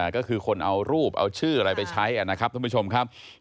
ก็คือคนเอารูปเอาชื่ออะไรไปใช้นะครับท่านผู้ชมครับ